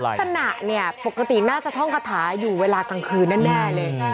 ลักษณะเนี่ยปกติน่าจะท่องคาถาอยู่เวลากลางคืนแน่เลย